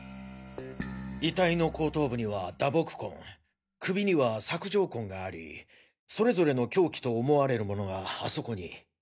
遺体の後頭部には打撲痕首には索状痕がありそれぞれの凶器と思われるものがあそこに。